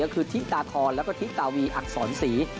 ก็คือทิตาธรแล้วก็ทิตาวีอักษรศรี